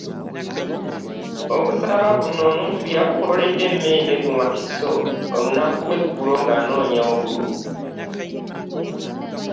Okusaba kuno Muntu yakukoledde Mende mu Wakiso olunaku lw’eggulo ng’anoonya obululu